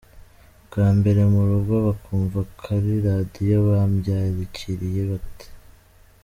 Bwa mbere mu rugo bakumva kuri radiyo babyakiriye bate?.